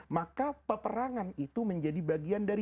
maka peperangan itu menjadi bagian dari